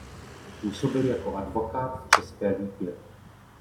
Působil jako advokát v České Lípě.